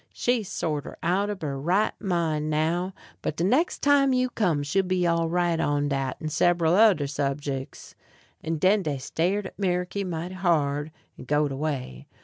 She's sorter out ob her right mine now, but de nex' time you comes she'll be all right on dat and seberal oder subjicks;" and den dey stared at Meriky mighty hard and goed away.